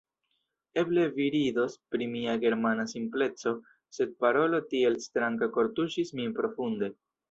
Eble vi ridos pri mia Germana simpleco; sed parolo tiel stranga kortuŝis min profunde.